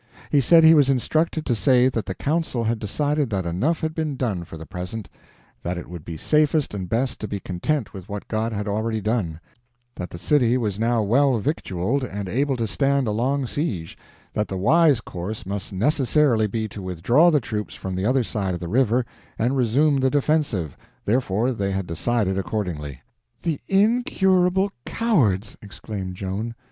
He said he was instructed to say that the council had decided that enough had been done for the present; that it would be safest and best to be content with what God had already done; that the city was now well victualed and able to stand a long siege; that the wise course must necessarily be to withdraw the troops from the other side of the river and resume the defensive—therefore they had decided accordingly. "The incurable cowards!" exclaimed Joan.